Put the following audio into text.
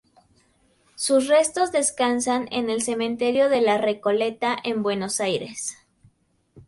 Sus restos descansan en el cementerio de la Recoleta, en Buenos Aires.